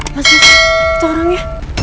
mas itu orangnya